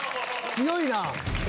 強いな。